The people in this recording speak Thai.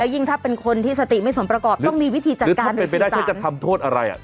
แล้วยิ่งถ้าเป็นคนที่สติไม่สมประกอบต้องมีวิธีจัดการหรือสินสารหรือถ้าเป็นไปได้ถ้าจะทำโทษอะไรอ่ะ